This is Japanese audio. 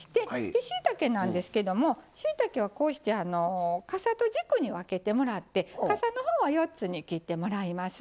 でしいたけなんですけどもしいたけはこうしてかさと軸に分けてもらってかさのほうは４つに切ってもらいます。